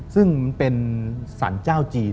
ซึ่งเป็นสารเจ้าจีน